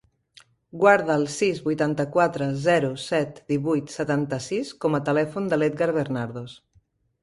Guarda el sis, vuitanta-quatre, zero, set, divuit, setanta-sis com a telèfon de l'Edgar Bernardos.